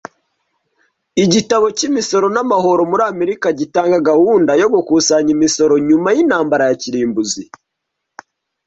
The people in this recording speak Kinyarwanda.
Igitabo cy’imisoro n'amahoro muri Amerika gitanga gahunda yo gukusanya imisoro nyuma y'intambara ya kirimbuzi